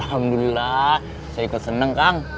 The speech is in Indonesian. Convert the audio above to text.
alhamdulillah saya ikut seneng kang